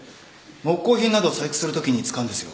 木工品などを細工するときに使うんですよ。